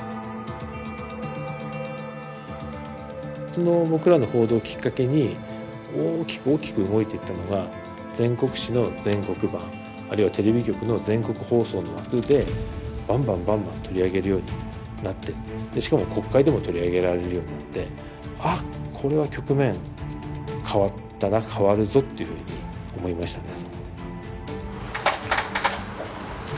その僕らの報道きっかけに大きく大きく動いていったのが全国紙の全国版あるいはテレビ局の全国放送の枠でばんばんばんばん取り上げるようになってしかも国会でも取り上げられるようになって「あこれは局面変わったな変わるぞ」っていうふうに思いましたね。